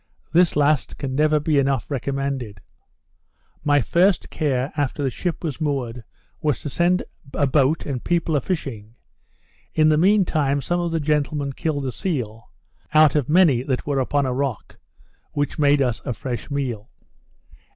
This last can never be enough recommended. My first care, after the ship was moored, was to send a boat and people a fishing; in the mean time, some of the gentlemen killed a seal, (out of many that were upon a rock,) which made us a fresh meal.